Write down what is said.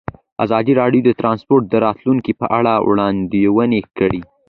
ازادي راډیو د ترانسپورټ د راتلونکې په اړه وړاندوینې کړې.